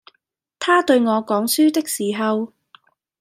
他對我講書的時候，